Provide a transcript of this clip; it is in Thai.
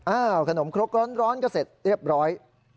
ขนมครกร้อนก็เสร็จเรียบร้อย